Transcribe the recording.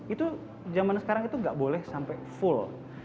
itu zaman sekarang itu nggak boleh sampai full